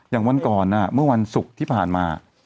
วันก่อนเมื่อวันศุกร์ที่ผ่านมา